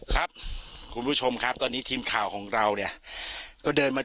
ครับคุณผู้ชมครับตอนนี้ทีมข่าวของเราเนี่ยก็เดินมา